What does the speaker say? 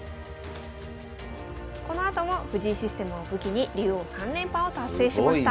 このあとも藤井システムを武器に竜王３連覇を達成しました。